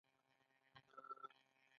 د نجونو تعلیم د جنډر برابري ملاتړ کوي.